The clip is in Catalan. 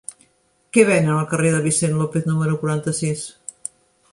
Què venen al carrer de Vicent López número quaranta-sis?